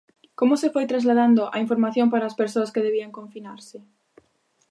Como se foi trasladando a información para as persoas que debían confinarse?